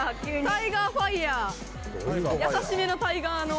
タイガーファイヤー優しめのタイガーの。